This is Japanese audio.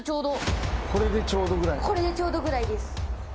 これでちょうどぐらいです。